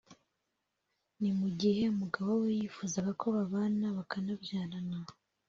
ni mu gihe umugabo we yifuzaga ko babana bakanabyarana